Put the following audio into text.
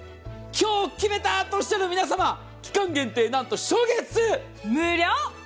今日、決めた！とおっしゃる皆様、期間限定、なんと初月無料。